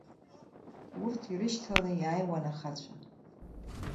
Урҭ ирышьҭаланы иааиуан ахацәа.